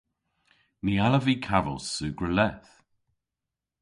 Ny allav vy kavos sugra leth.